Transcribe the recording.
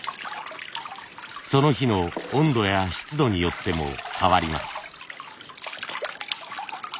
その日の温度や湿度によっても変わります。